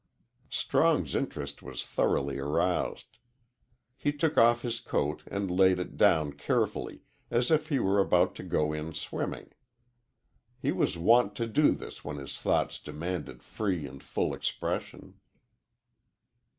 Strong's interest was thoroughly aroused. He took off his coat and laid it down carefully, as if he were about to go in swimming. He was wont to do this when his thoughts demanded free and full expression.